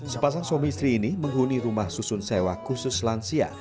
sepasang suami istri ini menghuni rumah susun sewa khusus lansia